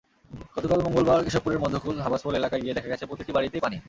গতকাল মঙ্গলবার কেশবপুরের মধ্যকুল, হাবাসপোল এলাকায় গিয়ে দেখা গেছে, প্রতিটি বাড়িতেই পানি।